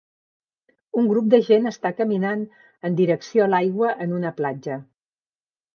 Un grup de gent està caminant en direcció a l'aigua en una platja